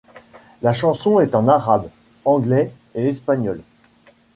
La chanson est en arabe, anglais et espagnol.